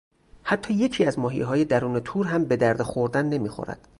حتی یکی از ماهیهای درون تور هم به درد خوردن نمیخورد.